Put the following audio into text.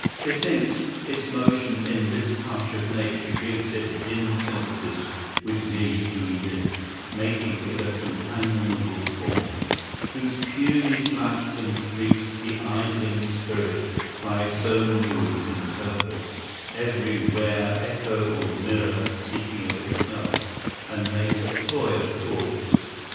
Methinks, its motion in this hush of nature Gives it dim sympathies with me who live, Making it a companionable form, Whose puny flaps and freaks the idling Spirit By its own moods interprets, every where Echo or mirror seeking of itself, And makes a toy of Thought.